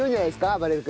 あばれる君。